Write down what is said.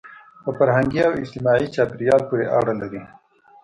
په فرهنګي او اجتماعي چاپېریال پورې اړه لري.